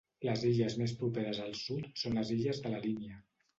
Les illes més properes al sud són les illes de la Línia.